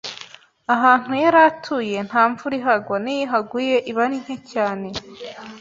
ahantuyaratuye Nta mvura ihagwa, n’iyo ihaguye iba ari nke cyane.